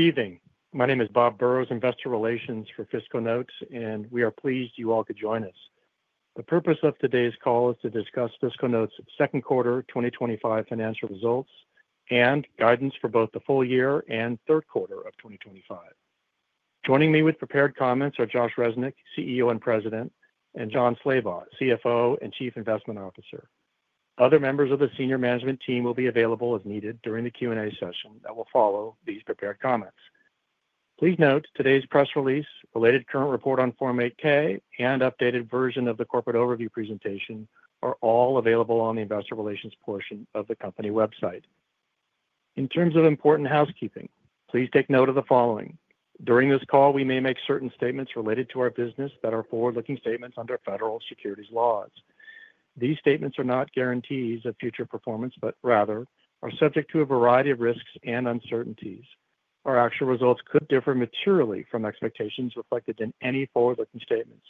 Good evening. My name is Bob Burrows, Investor Relations for FiscalNote, and we are pleased you all could join us. The purpose of today's call is to discuss FiscalNote's second quarter 2025 financial results and guidance for both the full year and third quarter of 2025. Joining me with prepared comments are Josh Resnick, CEO and President, and Jon Slabaugh, CFO and Chief Investment Officer. Other members of the Senior Management Team will be available as needed during the Q&A session that will follow these prepared comments. Please note today's press release, related current report on Form 8-K, and updated version of the corporate overview presentation are all available on the Investor Relations portion of the company website. In terms of important housekeeping, please take note of the following – during this call, we may make certain statements related to our business that are forward-looking statements under federal securities laws. These statements are not guarantees of future performance, but rather are subject to a variety of risks and uncertainties. Our actual results could differ materially from expectations reflected in any forward-looking statements.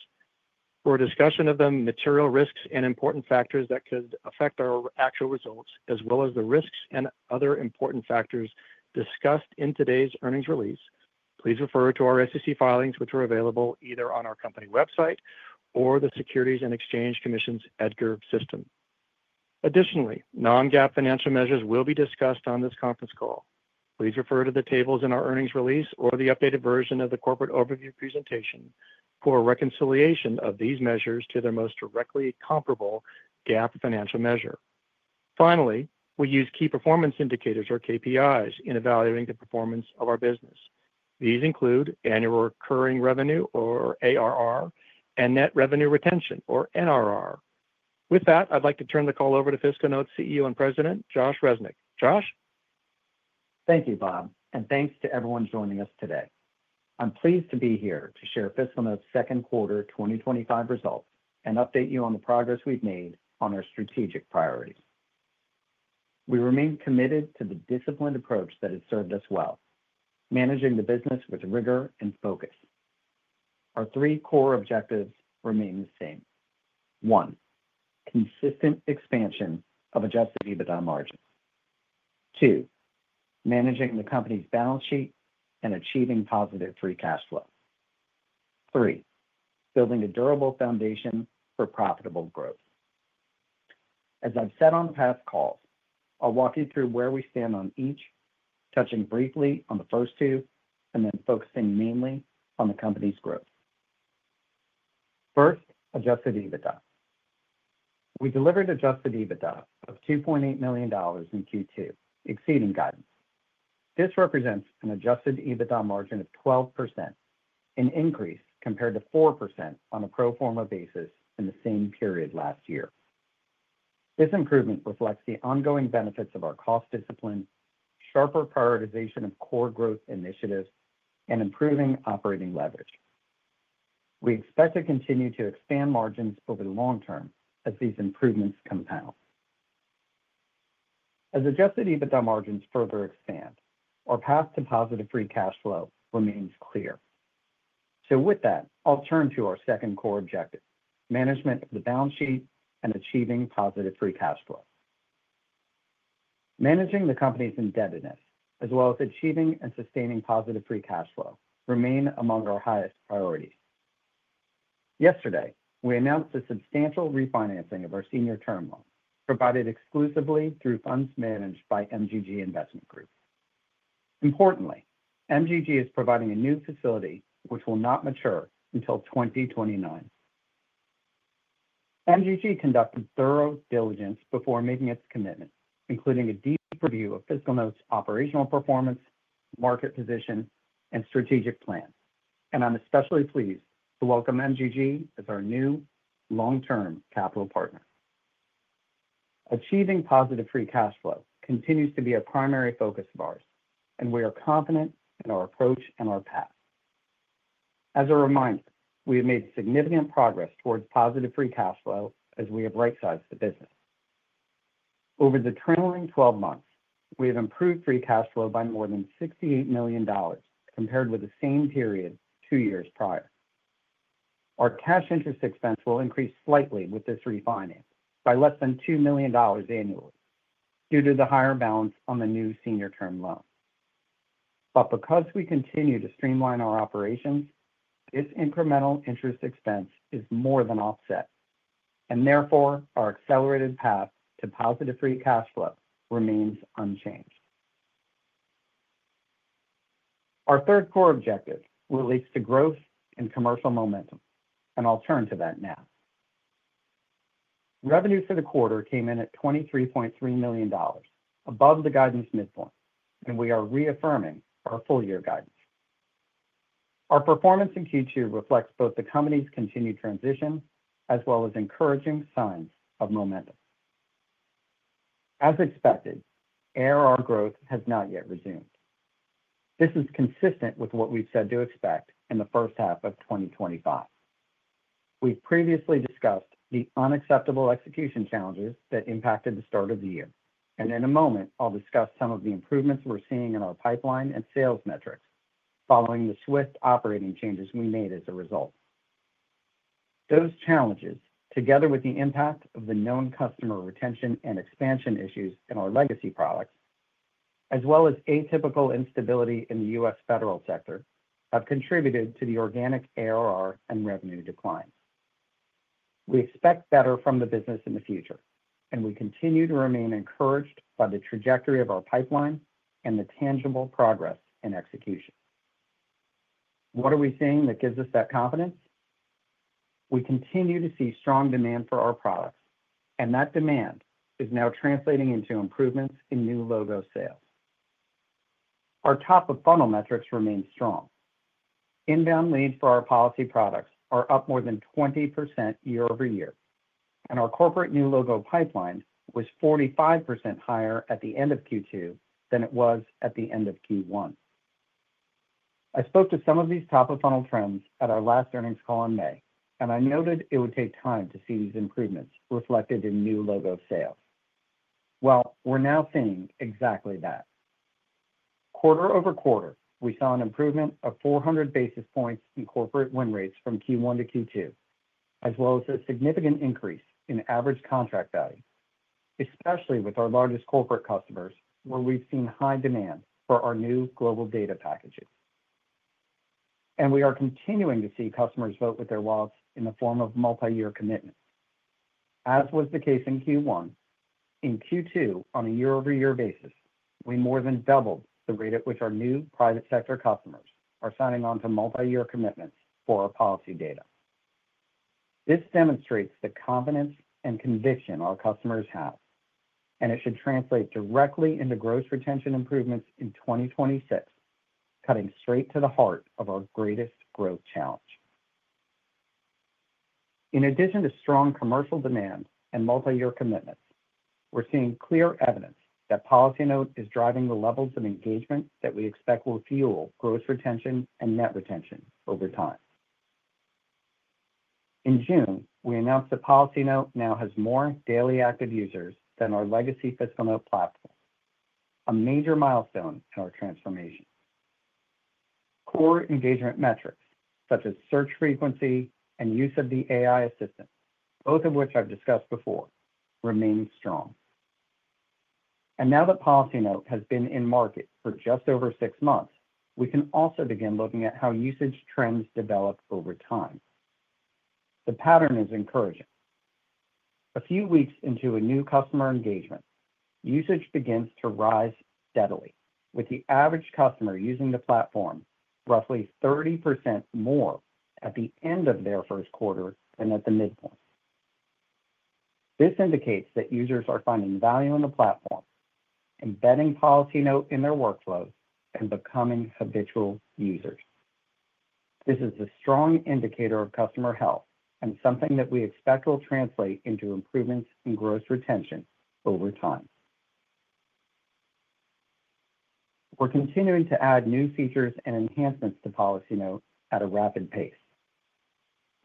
For a discussion of the material risks and important factors that could affect our actual results, as well as the risks and other important factors discussed in today's earnings release, please refer to our SEC filings, which are available either on our company website or the Securities and Exchange Commission's EDGAR system. Additionally, non-GAAP financial measures will be discussed on this conference call. Please refer to the tables in our earnings release or the updated version of the corporate overview presentation for reconciliation of these measures to their most directly comparable GAAP financial measure. Finally, we use key performance indicators, or KPIs, in evaluating the performance of our business. These include annual recurring revenue, or ARR, and net revenue retention, or NRR. With that, I'd like to turn the call over to FiscalNote's CEO and President, Josh Resnick. Josh? Thank you, Bob, and thanks to everyone joining us today. I'm pleased to be here to share FiscalNote's second quarter 2025 result and update you on the progress we've made on our strategic priorities. We remain committed to the disciplined approach that has served us well, managing the business with rigor and focus. Our three core objectives remain the same – one, consistent expansion of adjusted EBITDA margin – two, managing the company's balance sheet and achieving positive free cash flow – and three, building a durable foundation for profitable growth. As I've said on past calls, I'll walk you through where we stand on each, touching briefly on the first two and then focusing mainly on the company's growth. First, adjusted EBITDA. We delivered adjusted EBITDA of $2.8 million in Q2, exceeding guidance. This represents an adjusted EBITDA margin of 12%, an increase compared to 4% on a pro forma basis in the same period last year. This improvement reflects the ongoing benefits of our cost discipline, sharper prioritization of core growth initiatives, and improving operating leverage. We expect to continue to expand margins over the long term as these improvements compound. As adjusted EBITDA margins further expand, our path to positive free cash flow remains clear. With that, I'll turn to our second core objective: management of the balance sheet and achieving positive free cash flow. Managing the company's indebtedness, as well as achieving and sustaining positive free cash flow, remain among our highest priorities. Yesterday, we announced the substantial refinancing of our senior term loan, provided exclusively through funds managed by MGG Investment Group. Importantly, MGG is providing a new facility which will not mature until 2029. MGG conducted thorough diligence before making its commitment, including a deep review of FiscalNote's operational performance, market position, and strategic plan. I'm especially pleased to welcome MGG as our new long-term capital partner. Achieving positive free cash flow continues to be a primary focus of ours, and we are confident in our approach and our path. As a reminder, we have made significant progress towards positive free cash flow as we have right-sized the business. Over the trailing 12 months, we have improved free cash flow by more than $68 million compared with the same period two years prior. Our cash interest expense will increase slightly with this refinance by less than $2 million annually due to the higher balance on the new senior term loan. Because we continue to streamline our operations, this incremental interest expense is more than offset, and therefore our accelerated path to positive free cash flow remains unchanged. Our third core objective relates to growth and commercial momentum, and I'll turn to that now. Revenue for the quarter came in at $23.3 million, above the guidance midpoint, and we are reaffirming our full-year guidance. Our performance in Q2 reflects both the company's continued transition as well as encouraging signs of momentum. As expected, ARR growth has not yet resumed. This is consistent with what we've said to expect in the first half of 2025. We previously discussed the unacceptable execution challenges that impacted the start of the year, and in a moment, I'll discuss some of the improvements we're seeing in our pipeline and sales metrics following the swift operating changes we made as a result. Those challenges, together with the impact of the known customer retention and expansion issues in our legacy products, as well as atypical instability in the U.S. federal sector, have contributed to the organic ARR and revenue decline. We expect better from the business in the future, and we continue to remain encouraged by the trajectory of our pipeline and the tangible progress in execution. What are we seeing that gives us that confidence? We continue to see strong demand for our products, and that demand is now translating into improvements in new logo sales. Our top-of-funnel metrics remain strong. Inbound leads for our policy products are up more than 20% year over year, and our corporate new logo pipeline was 45% higher at the end of Q2 than it was at the end of Q1. I spoke to some of these top-of-funnel trends at our last earnings call in May, and I noted it would take time to see these improvements reflected in new logo sales. We are now seeing exactly that. Quarter over quarter, we saw an improvement of 400 basis points in corporate win rates from Q1 to Q2, as well as a significant increase in average contract value, especially with our largest corporate customers where we've seen high demand for our new global data packaging. We are continuing to see customers vote with their wallets in the form of multi-year commitments. As was the case in Q1, in Q2, on a year-over-year basis, we more than doubled the rate at which our new private sector customers are signing on to multi-year commitments for our policy data. This demonstrates the confidence and conviction our customers have, and it should translate directly into gross retention improvements in 2026, cutting straight to the heart of our greatest growth challenge. In addition to strong commercial demand and multi-year commitments, we're seeing clear evidence that PolicyNote is driving the levels of engagement that we expect will fuel gross retention and net revenue retention over time. In June, we announced that PolicyNote now has more daily active users than our legacy FiscalNote platform, a major milestone in our transformation. Core engagement metrics, such as search frequency and use of the AI assistant, both of which I've discussed before, remain strong. Now that PolicyNote has been in market for just over six months, we can also begin looking at how usage trends develop over time. The pattern is encouraging. A few weeks into a new customer engagement, usage begins to rise steadily, with the average customer using the platform roughly 30% more at the end of their first quarter than at the midpoint. This indicates that users are finding value in the platform, embedding PolicyNote in their workflow, and becoming habitual users. This is a strong indicator of customer health and something that we expect will translate into improvements in gross retention over time. We're continuing to add new features and enhancements to PolicyNote at a rapid pace.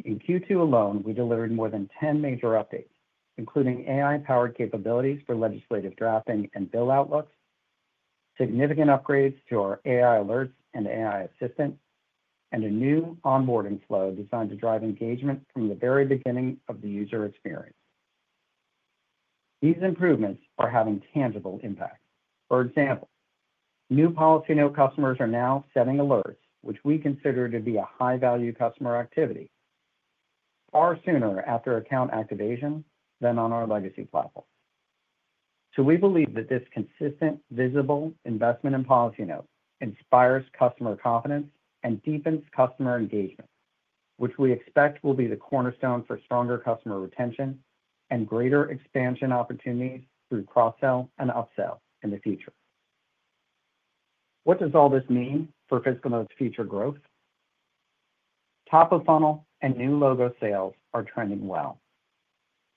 In Q2 alone, we delivered more than 10 major updates, including AI-powered capabilities for legislative drafting and bill outlooks, significant upgrades to our AI alerting and AI assistant, and a new onboarding flow designed to drive engagement from the very beginning of the user experience. These improvements are having tangible impacts. For example, new PolicyNote customers are now setting alerts, which we consider to be a high-value customer activity, far sooner after account activation than on our legacy platform. We believe that this consistent, visible investment in PolicyNote inspires customer confidence and deepens customer engagement, which we expect will be the cornerstone for stronger customer retention and greater expansion opportunities through cross-sell and upsell in the future. What does all this mean for FiscalNote's future growth? Top-of-funnel and new logo sales are trending well.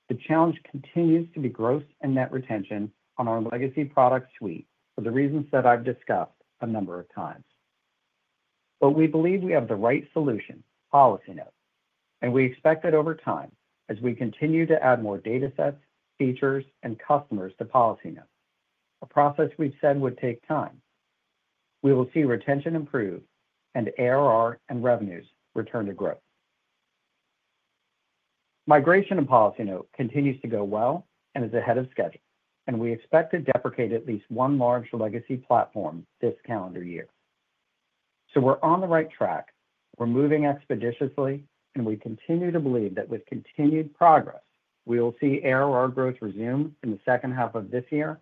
The challenge continues to be gross and net retention on our legacy product suite, for the reasons that I've discussed a number of times. We believe we have the right solution, PolicyNote, and we expect it over time as we continue to add more datasets, features, and customers to PolicyNote, a process we've said would take time. We will see retention improve and ARR and revenues return to growth. Migration to PolicyNote continues to go well and is ahead of schedule, and we expect to deprecate at least one large legacy platform this calendar year. We're on the right track. We're moving expeditiously, and we continue to believe that with continued progress, we will see ARR growth resume in the second half of this year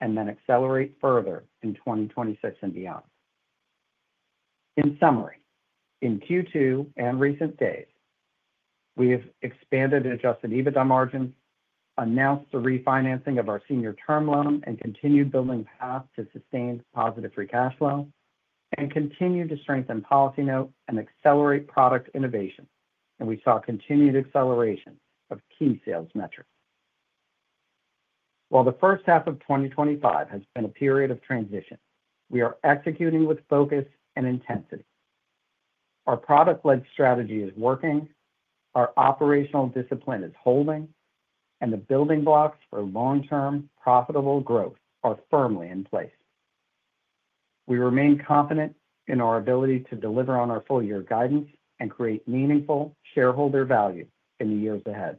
and then accelerate further in 2026 and beyond. In summary, in Q2 and recent days, we have expanded adjusted EBITDA margins, announced the refinancing of our senior term loan, continued building paths to sustained positive free cash flow, and continued to strengthen PolicyNote and accelerate product innovation. We saw continued acceleration of key sales metrics. While the first half of 2025 has been a period of transition, we are executing with focus and intensity. Our product-led strategy is working, our operational discipline is holding, and the building blocks for long-term profitable growth are firmly in place. We remain confident in our ability to deliver on our full-year guidance and create meaningful shareholder value in the years ahead.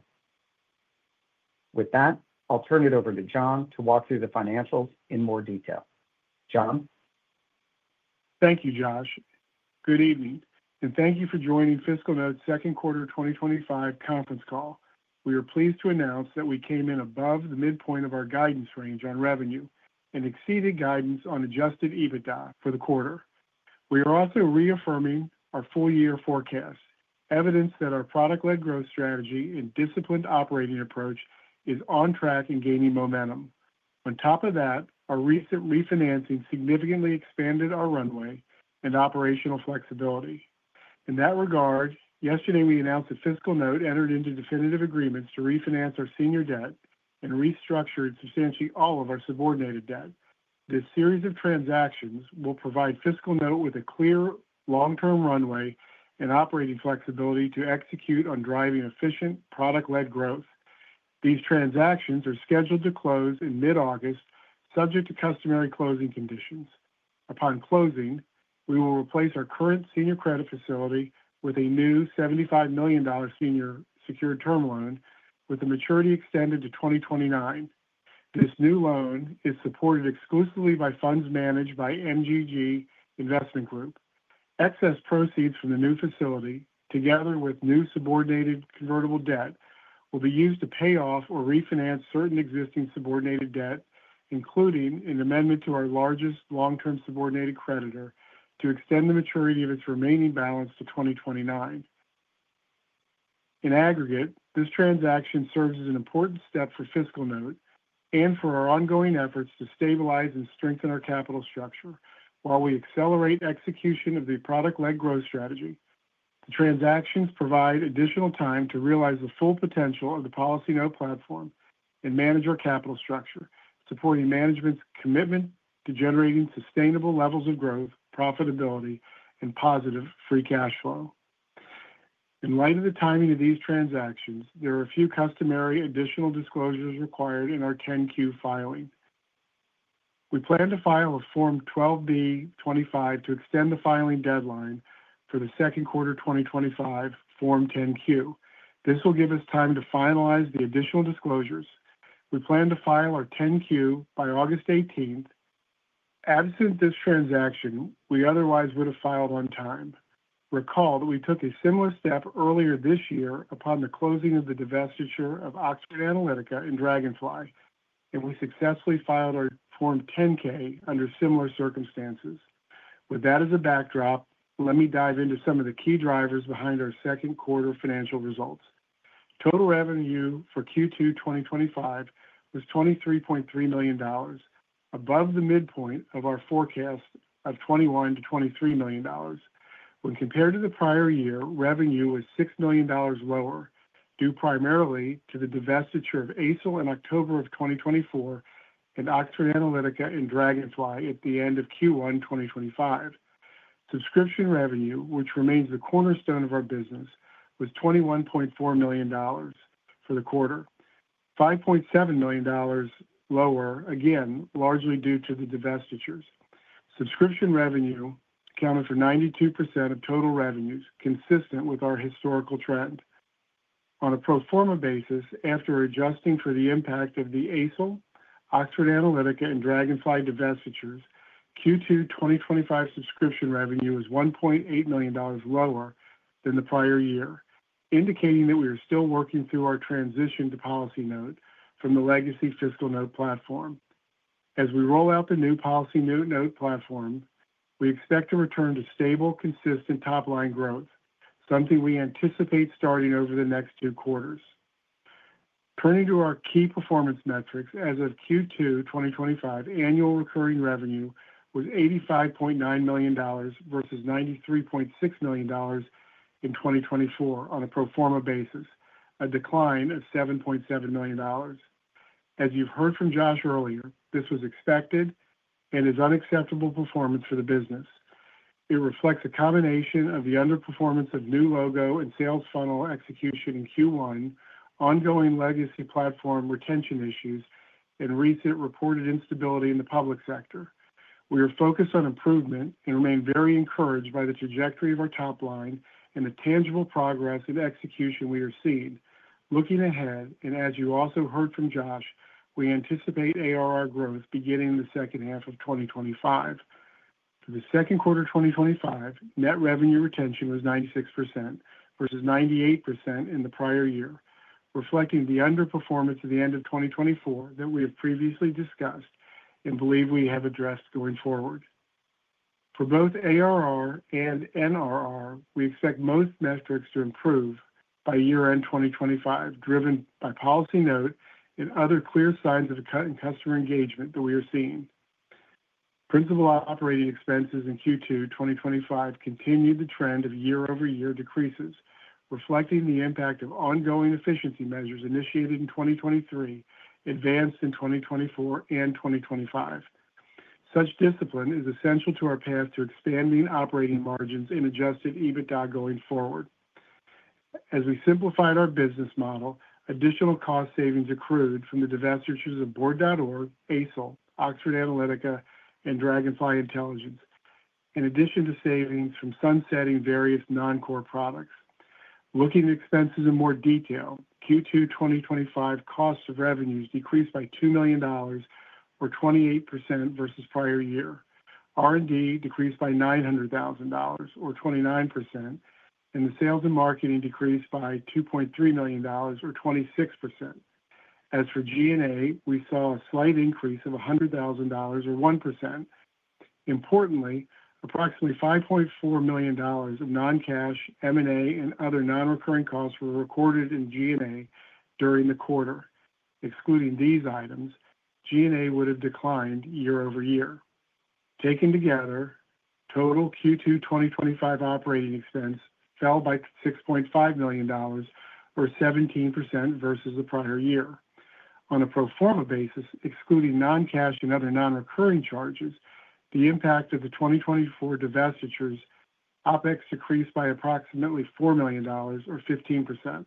With that, I'll turn it over to Jon to walk through the financials in more detail. Jon? Thank you, Josh. Good evening, and thank you for joining FiscalNote's second quarter 2025 conference call. We are pleased to announce that we came in above the midpoint of our guidance range on revenue and exceeded guidance on adjusted EBITDA for the quarter. We are also reaffirming our full-year forecast, evidence that our product-led growth strategy and disciplined operating approach are on track and gaining momentum. On top of that, our recent refinancing significantly expanded our runway and operational flexibility. In that regard, yesterday we announced that FiscalNote entered into definitive agreements to refinance our senior debt and restructured substantially all of our subordinated debt. This series of transactions will provide FiscalNote with a clear long-term runway and operating flexibility to execute on driving efficient product-led growth. These transactions are scheduled to close in mid-August, subject to customary closing conditions. Upon closing, we will replace our current senior credit facility with a new $75 million senior secured term loan with a maturity extended to 2029. This new loan is supported exclusively by funds managed by MGG Investment Group. Excess proceeds from the new facility, together with new subordinated convertible debt, will be used to pay off or refinance certain existing subordinated debt, including an amendment to our largest long-term subordinated creditor to extend the maturity of its remaining balance to 2029. In aggregate, this transaction serves as an important step for FiscalNote Holdings and for our ongoing efforts to stabilize and strengthen our capital structure while we accelerate execution of the product-led growth strategy. The transactions provide additional time to realize the full potential of the PolicyNote platform and manage our capital structure, supporting management's commitment to generating sustainable levels of growth, profitability, and positive free cash flow. In light of the timing of these transactions, there are a few customary additional disclosures required in our 10-Q filing. We plan to file a Form 12B-25 to extend the filing deadline for the second quarter 2025 Form 10-Q. This will give us time to finalize the additional disclosures. We plan to file our 10-Q by August 18th. Absent this transaction, we otherwise would have filed on time. Recall that we took a similar step earlier this year upon the closing of the divestiture of Oxford Analytica and Dragonfly Intelligence, and we successfully filed our Form 10-K under similar circumstances. With that as a backdrop, let me dive into some of the key drivers behind our second quarter financial results. Total revenue for Q2 2025 was $23.3 million, above the midpoint of our forecast of $21 million-$23 million. When compared to the prior year, revenue was $6 million lower, due primarily to the divestiture of Aysell in October of 2024 and Oxford Analytica and Dragonfly at the end of Q1 2025. Subscription revenue, which remains the cornerstone of our business, was $21.4 million for the quarter, $5.7 million lower, again, largely due to the divestitures. Subscription revenue accounted for 92% of total revenues, consistent with our historical trend. On a pro forma basis, after adjusting for the impact of the Aysell, Oxford Analytica, and Dragonfly divestitures, Q2 2025 subscription revenue was $1.8 million lower than the prior year, indicating that we are still working through our transition to PolicyNote from the legacy FiscalNote platform. As we roll out the new PolicyNote platform, we expect to return to stable, consistent top-line growth, something we anticipate starting over the next two quarters. Turning to our key performance metrics, as of Q2 2025, annual recurring revenue was $85.9 million versus $93.6 million in 2024 on a pro forma basis, a decline of $7.7 million. As you've heard from Josh earlier, this was expected and is unacceptable performance for the business. It reflects a combination of the underperformance of new logo and sales funnel execution in Q1, ongoing legacy platform retention issues, and recent reported instability in the U.S. federal sector. We are focused on improvement and remain very encouraged by the trajectory of our top line and the tangible progress in execution we are seeing. Looking ahead, and as you also heard from Josh, we anticipate ARR growth beginning in the second half of 2025. For the second quarter 2025, net revenue retention was 96% versus 98% in the prior year, reflecting the underperformance at the end of 2024 that we have previously discussed and believe we have addressed going forward. For both ARR and NRR, we expect most metrics to improve by year-end 2025, driven by PolicyNote and other clear signs of a cut in customer engagement that we are seeing. Principal operating expenses in Q2 2025 continued the trend of year-over-year decreases, reflecting the impact of ongoing efficiency measures initiated in 2023, advanced in 2024, and 2025. Such discipline is essential to our path to expanding operating margins and adjusted EBITDA going forward. As we simplified our business model, additional cost savings accrued from the divestitures of Board.org, Aysell, Oxford Analytica, and Dragonfly Intelligence, in addition to savings from sunsetting various non-core products. Looking at expenses in more detail, Q2 2025 cost of revenues decreased by $2 million, or 28% versus prior year. R&D decreased by $900,000, or 29%, and sales and marketing decreased by $2.3 million, or 26%. As for G&A, we saw a slight increase of $100,000, or 1%. Importantly, approximately $5.4 million of non-cash, M&A, and other non-recurring costs were recorded in G&A during the quarter. Excluding these items, G&A would have declined year over year. Taken together, total Q2 2025 operating expense fell by $6.5 million, or 17% versus the prior year. On a pro forma basis, excluding non-cash and other non-recurring charges, the impact of the 2024 divestitures OPEX decreased by approximately $4 million, or 15%.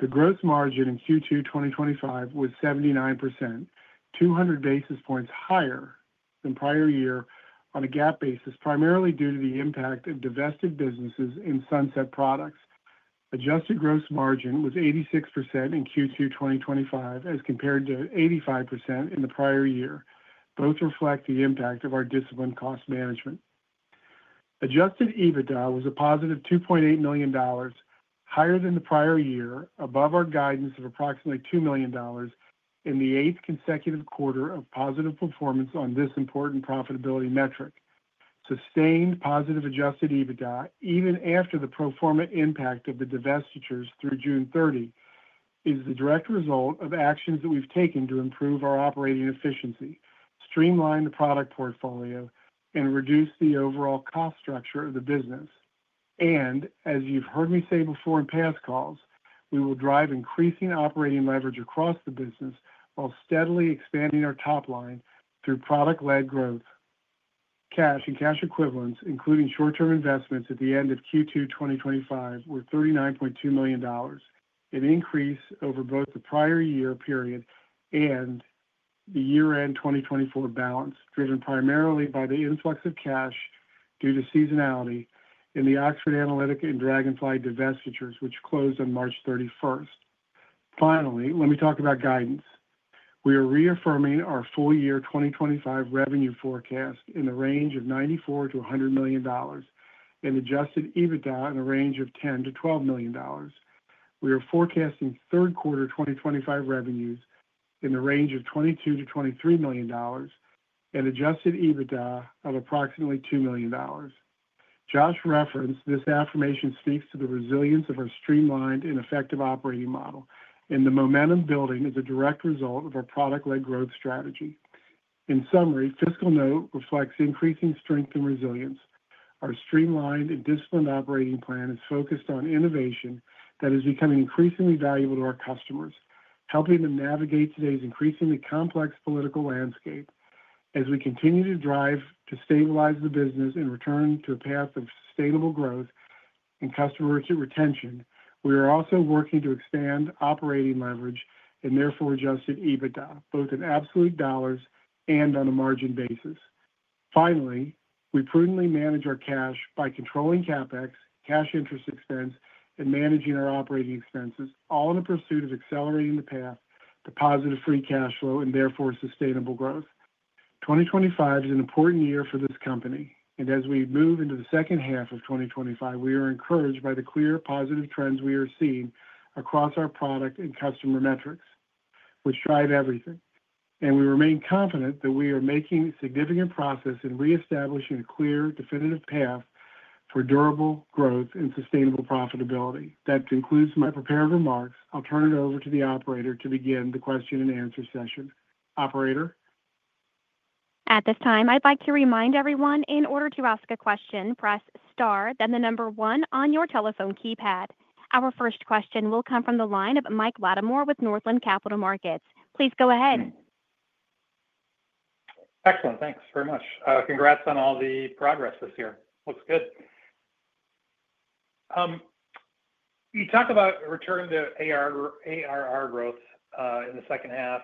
The gross margin in Q2 2025 was 79%, 200 basis points higher than prior year on a GAAP basis, primarily due to the impact of divested businesses and sunset products. Adjusted gross margin was 86% in Q2 2025 as compared to 85% in the prior year. Both reflect the impact of our disciplined cost management. Adjusted EBITDA was a positive $2.8 million, higher than the prior year, above our guidance of approximately $2 million in the eighth consecutive quarter of positive performance on this important profitability metric. Sustained positive adjusted EBITDA, even after the pro forma impact of the divestitures through June 30, is the direct result of actions that we've taken to improve our operating efficiency, streamline the product portfolio, and reduce the overall cost structure of the business. As you've heard me say before in past calls, we will drive increasing operating leverage across the business while steadily expanding our top line through product-led growth. Cash and cash equivalents, including short-term investments at the end of Q2 2025, were $39.2 million. An increase over both the prior year period and the year-end 2024 balance, driven primarily by the influx of cash due to seasonality in the Oxford Analytica and Dragonfly divestitures, which closed on March 31st. Finally, let me talk about guidance. We are reaffirming our full-year 2025 revenue forecast in the range of $94 million-$100 million and adjusted EBITDA in the range of $10 to $12 million. We are forecasting third quarter 2025 revenues in the range of $22 million-$23 million and adjusted EBITDA of approximately $2 million. Josh referenced this affirmation speaks to the resilience of our streamlined and effective operating model, and the momentum building is a direct result of our product-led growth strategy. In summary, FiscalNote reflects increasing strength and resilience. Our streamlined and disciplined operating plan is focused on innovation that is becoming increasingly valuable to our customers, helping them navigate today's increasingly complex political landscape. As we continue to drive to stabilize the business and return to a path of sustainable growth and customer retention, we are also working to expand operating leverage and therefore adjusted EBITDA, both in absolute dollars and on a margin basis. Finally, we prudently manage our cash by controlling CapEx, cash interest expense, and managing our operating expenses, all in the pursuit of accelerating the path to positive free cash flow and therefore sustainable growth. 2025 is an important year for this company, and as we move into the second half of 2025, we are encouraged by the clear positive trends we are seeing across our product and customer metrics, which drive everything. We remain confident that we are making significant progress in reestablishing a clear, definitive path for durable growth and sustainable profitability. That concludes my prepared remarks. I'll turn it over to the operator to begin the question and answer session. Operator? At this time, I'd like to remind everyone, in order to ask a question, press star, then the number one on your telephone keypad. Our first question will come from the line of Mike Latimore with Northland Capital Markets. Please go ahead. Excellent. Thanks very much. Congrats on all the progress this year. Looks good. You talked about a return to ARR growth in the second half.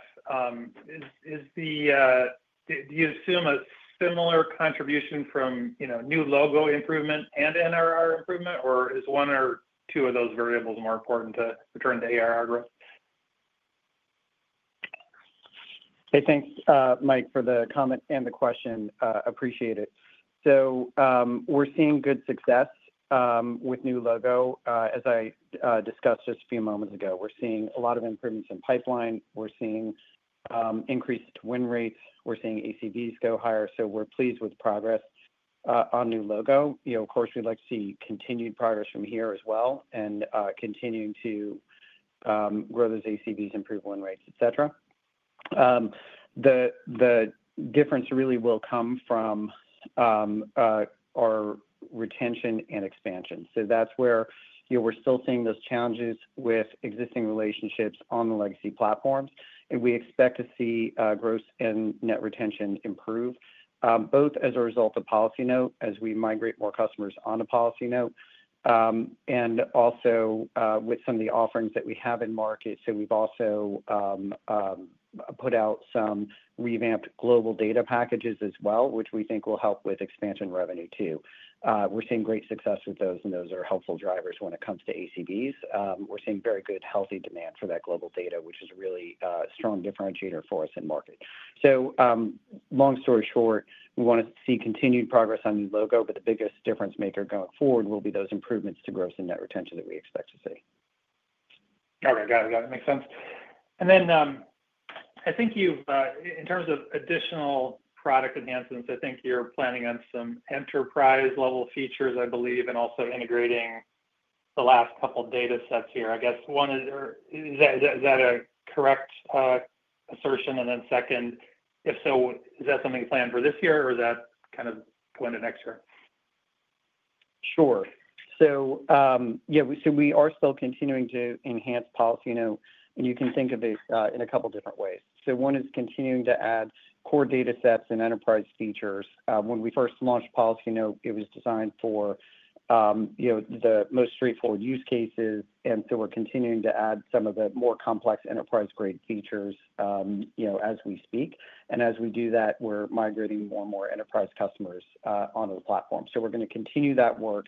Do you assume a similar contribution from new logo improvement and NRR improvement, or is one or two of those variables more important to return to ARR growth? Hey, thanks, Mike, for the comment and the question. Appreciate it. We're seeing good success with new logo. As I discussed just a few moments ago, we're seeing a lot of improvements in pipeline. We're seeing increased win rates. We're seeing ACVs go higher. We're pleased with progress on new logo. Of course, we'd like to see continued progress from here as well and continuing to grow those ACVs, improve win rates, etc. The difference really will come from our retention and expansion. That's where we're still seeing those challenges with existing relationships on the legacy platforms, and we expect to see gross and net retention improve, both as a result of PolicyNote as we migrate more customers onto PolicyNote and also with some of the offerings that we have in market. We've also put out some revamped global data packages as well, which we think will help with expansion revenue too. We're seeing great success with those, and those are helpful drivers when it comes to ACVs. We're seeing very good, healthy demand for that global data, which is a really strong differentiator for us in market. Long story short, we want to see continued progress on new logo, but the biggest difference maker going forward will be those improvements to gross and net retention that we expect to see. Okay, got it. Yeah, that makes sense. I think you've, in terms of additional product enhancements, I think you're planning on some enterprise-level features, I believe, and also integrating the last couple of datasets here. I guess one is, is that a correct assertion? If so, is that something planned for this year, or is that kind of going to next year? Sure. We are still continuing to enhance PolicyNote, and you can think of it in a couple of different ways. One is continuing to add core datasets and enterprise features. When we first launched PolicyNote, it was designed for the most straightforward use cases, and we're continuing to add some of the more complex enterprise-grade features as we speak. As we do that, we're migrating more and more enterprise customers onto the platform. We're going to continue that work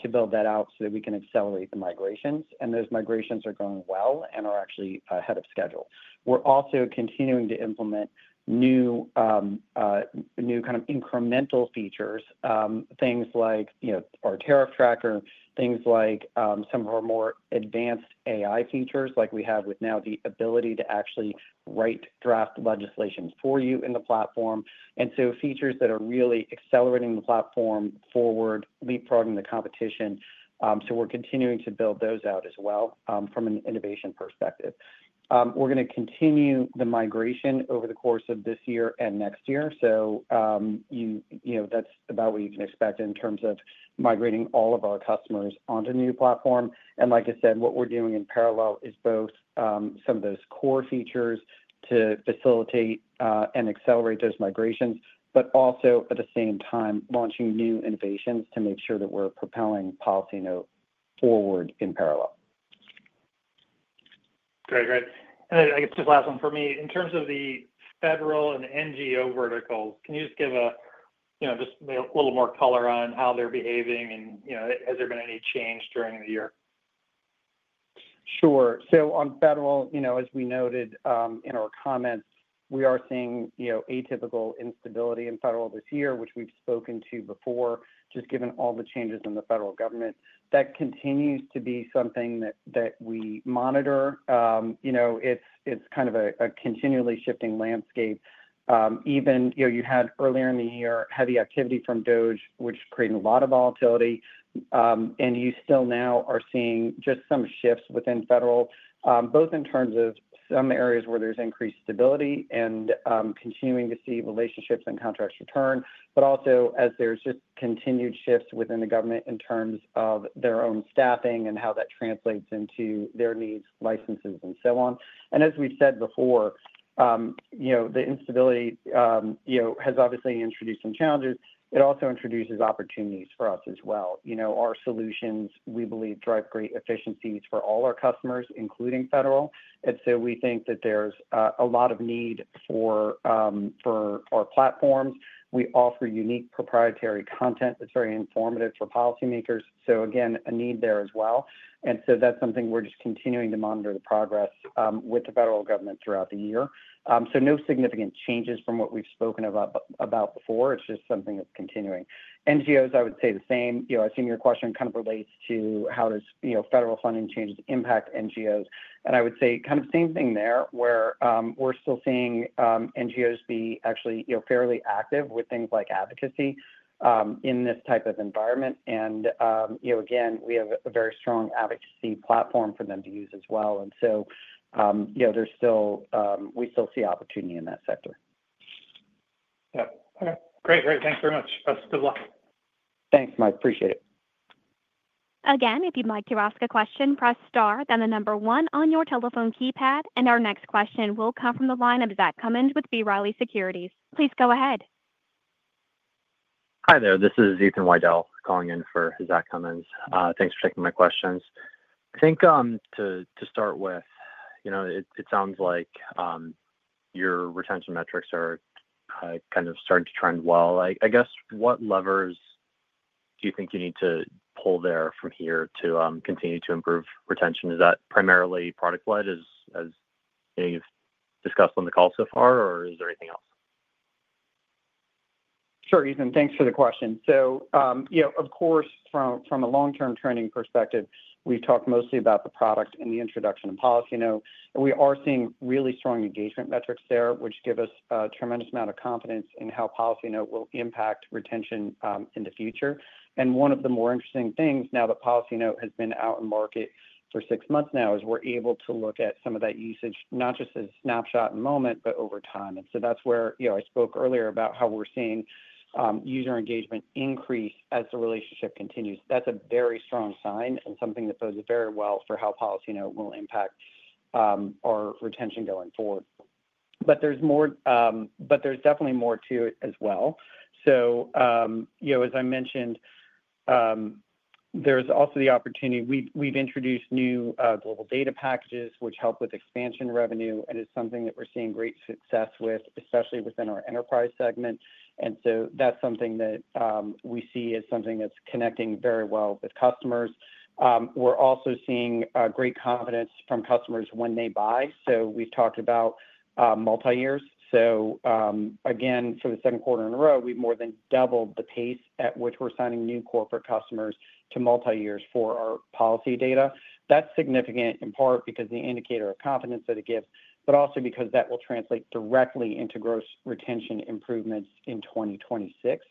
to build that out so that we can accelerate the migrations, and those migrations are going well and are actually ahead of schedule. We're also continuing to implement new incremental features, things like our tariff tracker, and some of our more advanced AI features, like we have now with the ability to actually write draft legislations for you in the platform. Features that are really accelerating the platform forward, leapfrogging the competition. We're continuing to build those out as well from an innovation perspective. We're going to continue the migration over the course of this year and next year. That's about what you can expect in terms of migrating all of our customers onto the new platform. Like I said, what we're doing in parallel is both some of those core features to facilitate and accelerate those migrations, but also at the same time launching new innovations to make sure that we're propelling PolicyNote forward in parallel. Very great. I guess just the last one for me, in terms of the U.S. federal and NGO verticals, can you just give a little more color on how they're behaving, and has there been any change during the year? Sure. On federal, as we noted in our comments, we are seeing atypical instability in federal this year, which we've spoken to before, just given all the changes in the federal government. That continues to be something that we monitor. It's kind of a continually shifting landscape. Even earlier in the year, you had heavy activity from DOJ, which created a lot of volatility, and you still now are seeing just some shifts within federal, both in terms of some areas where there's increased stability and continuing to see relationships and contracts return, but also as there's just continued shifts within the government in terms of their own staffing and how that translates into their needs, licenses, and so on. As we've said before, the instability has obviously introduced some challenges. It also introduces opportunities for us as well. Our solutions, we believe, drive great efficiencies for all our customers, including federal. We think that there's a lot of need for our platforms. We offer unique proprietary content that's very informative for policymakers. Again, a need there as well. That's something we're just continuing to monitor, the progress with the federal government throughout the year. No significant changes from what we've spoken about before. It's just something that's continuing. NGOs, I would say the same. I assume your question kind of relates to how federal funding changes impact NGOs. I would say kind of the same thing there, where we're still seeing NGOs be actually fairly active with things like advocacy in this type of environment. Again, we have a very strong advocacy platform for them to use as well. There's still, we still see opportunity in that sector. Yeah, okay. Great, great. Thanks very much. Best of luck. Thanks, Mike. Appreciate it. Again, if you'd like to ask a question, press star, then the number one on your telephone keypad. Our next question will come from the line of Zach Cummins with B. Riley Securities. Please go ahead. Hi there. This is Ethan Weidel calling in for Zach Cummins. Thanks for taking my questions. I think to start with, it sounds like your retention metrics are kind of starting to trend well. I guess what levers do you think you need to pull there from here to continue to improve retention? Is that primarily product-led, as you've discussed on the call so far, or is there anything else? Sure, Ethan. Thanks for the question. Of course, from a long-term training perspective, we talk mostly about the product and the introduction of PolicyNote. We are seeing really strong engagement metrics there, which give us a tremendous amount of confidence in how PolicyNote will impact retention in the future. One of the more interesting things now that PolicyNote has been out in market for six months is we're able to look at some of that usage, not just as a snapshot in the moment, but over time. That's where I spoke earlier about how we're seeing user engagement increase as the relationship continues. That's a very strong sign and something that bodes very well for how PolicyNote will impact our retention going forward. There is definitely more to it as well. As I mentioned, there's also the opportunity. We've introduced new global data packages, which help with expansion revenue, and it's something that we're seeing great success with, especially within our enterprise segment. That's something that we see as something that's connecting very well with customers. We're also seeing great confidence from customers when they buy. We've talked about multi-years. For the second quarter in a row, we've more than doubled the pace at which we're signing new corporate customers to multi-years for our policy data. That's significant in part because of the indicator of confidence that it gives, but also because that will translate directly into gross retention improvements in 2026.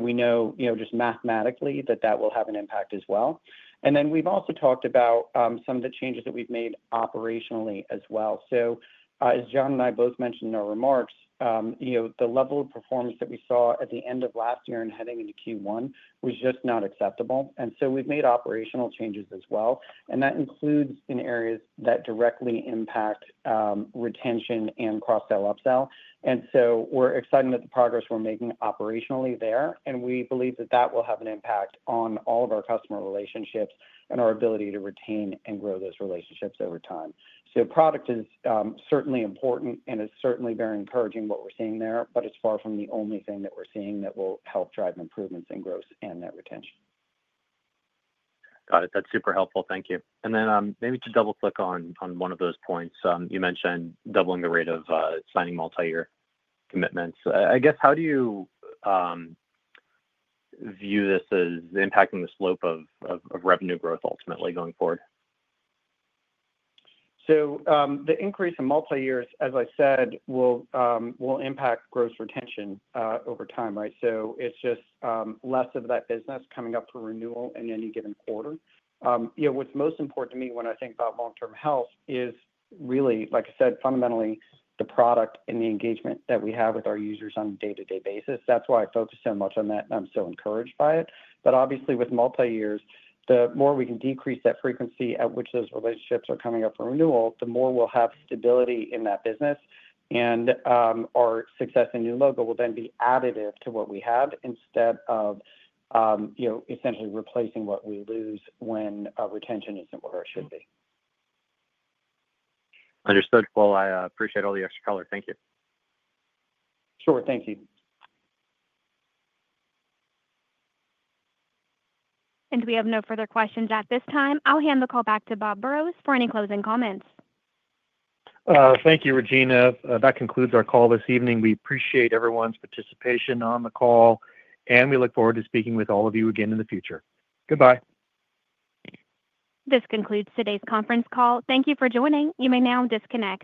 We know just mathematically that that will have an impact as well. We've also talked about some of the changes that we've made operationally as well. As Jon and I both mentioned in our remarks, the level of performance that we saw at the end of last year and heading into Q1 was just not acceptable. We've made operational changes as well, and that includes in areas that directly impact retention and cross-sell/upsell. We're excited about the progress we're making operationally there, and we believe that that will have an impact on all of our customer relationships and our ability to retain and grow those relationships over time. Product is certainly important, and it's certainly very encouraging what we're seeing there, but it's far from the only thing that we're seeing that will help drive improvements in gross and net retention. Got it. That's super helpful. Thank you. Maybe to double-click on one of those points, you mentioned doubling the rate of signing multi-year commitments. I guess how do you view this as impacting the slope of revenue growth ultimately going forward? The increase in multi-year commitments, as I said, will impact gross retention over time, right? It's just less of that business coming up for renewal in any given quarter. What's most important to me when I think about long-term health is really, like I said, fundamentally the product and the engagement that we have with our users on a day-to-day basis. That's why I focus so much on that, and I'm so encouraged by it. Obviously, with multi-year commitments, the more we can decrease that frequency at which those relationships are coming up for renewal, the more we'll have stability in that business. Our success in new logo will then be additive to what we have instead of, you know, essentially replacing what we lose when retention isn't where it should be. I appreciate all the extra color. Thank you. Sure, thank you. We have no further questions at this time. I'll hand the call back to Bob Burrows for any closing comments. Thank you, Regina. That concludes our call this evening. We appreciate everyone's participation on the call, and we look forward to speaking with all of you again in the future. Goodbye. This concludes today's conference call. Thank you for joining. You may now disconnect.